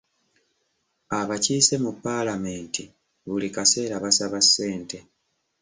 Abakiise mu paalamenti buli kaseera basaba ssente.